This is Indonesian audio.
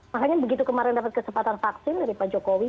makanya begitu kemarin dapat kesempatan vaksin dari pak jokowi